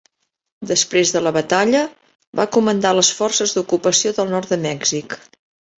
Després de la batalla, va comandar les forces d'ocupació del nord de Mèxic.